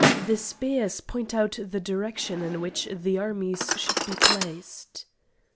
The spears point out the direction in which the armies should be placed."